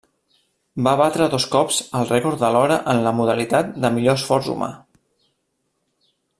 Va batre dos cops el rècord de l'hora en la modalitat de Millor esforç humà.